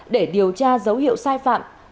để điều tra dấu hiệu sai phạm